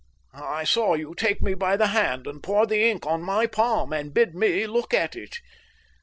I saw you take me by the hand and pour the ink on my palm and bid me look at it.